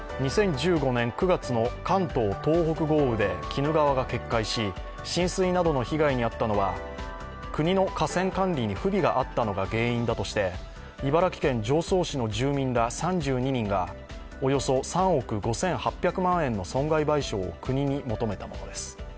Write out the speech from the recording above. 鬼怒川が決壊し、浸水などの被害に遭ったのは国の河川管理に不備があったのが原因だとして茨城県常総市の住民ら３２人がおよそ３億５８００万円の損害賠償を国に求めたものです。